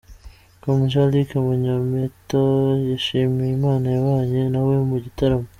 com, Jean Luc Munyampeta yashimiye Imana yabanye nawe mu gitaramo.